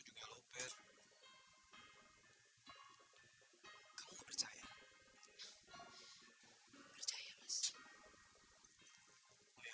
dia beli rumahnya adi